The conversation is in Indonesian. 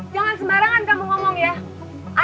jangan sembarangan kamu ngomong ya